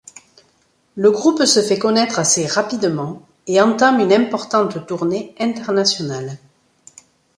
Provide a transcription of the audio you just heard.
Le groupe se fait connaître assez rapidement et entame une importante tournée internationale.